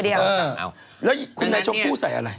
แล้วคุณนายชมพู่ใส่อะไร